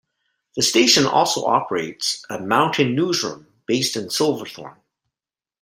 The station also operates a "Mountain Newsroom" based in Silverthorne.